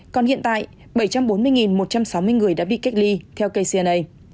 còn hiện tại bảy trăm bốn mươi một trăm sáu mươi người đã bị cách ly theo kcna